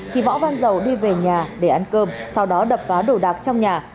thì võ văn dầu đi về nhà để ăn cơm sau đó đập phá đồ đạc trong nhà